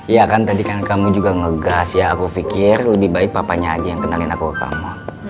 ya kan tadi kan kamu juga ngegas ya aku pikir lebih baik papanya aja yang kenalin aku ke kamu